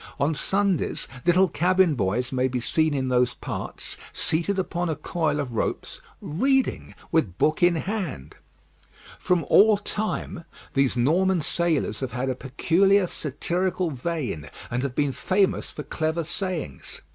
On Sundays, little cabin boys may be seen in those parts, seated upon a coil of ropes, reading, with book in hand. From all time these Norman sailors have had a peculiar satirical vein, and have been famous for clever sayings.